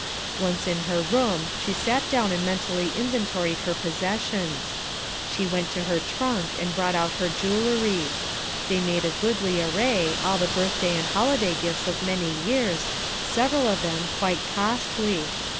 Once in her room she sat down and mentally inventoried her possessions. She went to her trunk and brought out her jewellery; they made a goodly array, all the birthday and holiday gifts of many years, several of them quite costly.